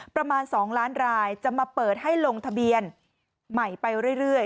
ประมาณ๒ล้านรายจะมาเปิดให้ลงทะเบียนใหม่ไปเรื่อย